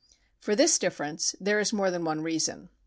For this difference there is more than one reason.